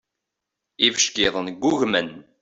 Ibeckiḍen ggugmen.